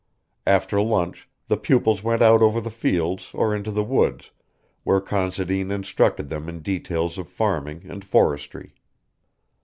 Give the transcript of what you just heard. After lunch the pupils went out over the fields or into the woods where Considine instructed them in details of farming and forestry.